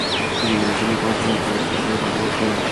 তিনি মেডিসিন নিয়ে পড়ার জন্য কলকাতা মেডিকেল কলেজে ভর্তি হন।